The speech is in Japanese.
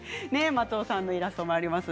松尾さんのイラストもあります。